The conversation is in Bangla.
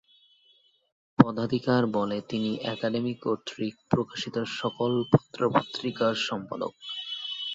পদাধিকার বলে তিনি একাডেমি কর্তৃক প্রকাশিত সকল পত্র-পত্রিকার সম্পাদক।